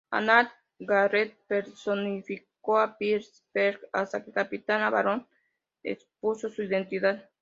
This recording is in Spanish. Nathan Garrett personificó a Sir Percy hasta que el Capitán Avalon expuso su identidad.